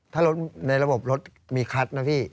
ถ้ารถในระบบรถมีคัดนะพี่